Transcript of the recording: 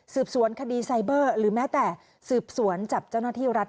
สวนคดีไซเบอร์หรือแม้แต่สืบสวนจับเจ้าหน้าที่รัฐ